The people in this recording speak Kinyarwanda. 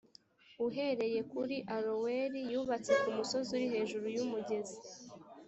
uhereye kuri aroweri yubatse ku musozi uri hejuru y’umugezi